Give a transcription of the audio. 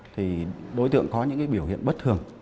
thì đối tượng có những biểu hiện bất thường